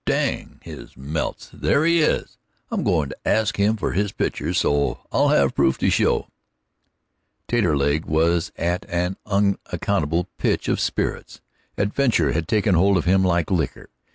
Dang his melts, there he is! I'm going to ask him for his picture, so I'll have the proof to show." Taterleg was at an unaccountable pitch of spirits. Adventure had taken hold of him like liquor.